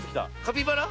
カピバラ？